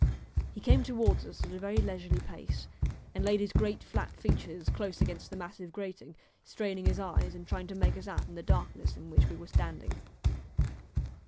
He came towards us at a very leisurely pace, and laid his great flat features close against the massive grating, straining his eyes, and trying to make us out in the darkness in which we were standing.